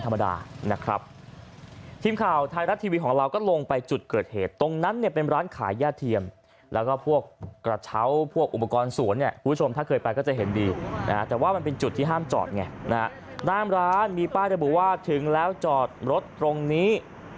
ตามร้านมีป้ายที่บอกว่าถึงแล้วจอดรถตรงนี้